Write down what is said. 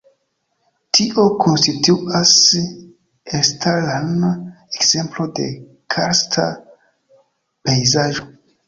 Tio konstituas elstaran ekzemplo de karsta pejzaĝo.